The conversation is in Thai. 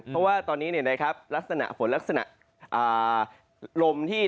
เพราะว่าตอนนี้เนี่ยลักษณะหลมที่ได้